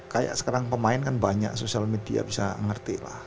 kayak sekarang pemain kan banyak sosial media bisa ngerti lah